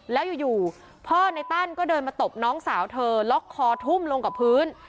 แล้วอยู่พ่อในตั้นก็เดินมาตบน้องสาวเธอล็อกคอทุ่มลงกับพื้น